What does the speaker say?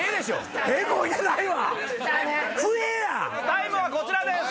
タイムはこちらです。